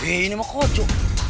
ini mah kocok